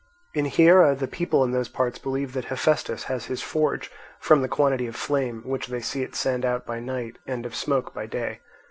In Hiera the people in those parts believe that Hephaestus has his forge, from the quantity of flame which they see it send out by night, and of smoke by day.